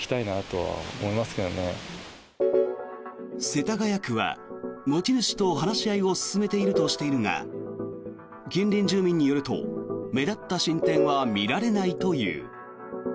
世田谷区は持ち主と話し合いを進めているとしているが近隣住民によると目立った進展は見られないという。